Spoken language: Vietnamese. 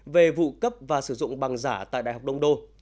về vụ cấp và sử dụng bằng giả tại đại học đông đô